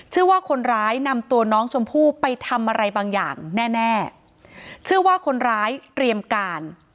เชื่อว่าคนร้ายนำตัวน้องชมพู่ไปทำอะไรบางอย่างแน่แน่เชื่อว่าคนร้ายเตรียมการ